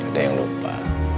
ada yang lupa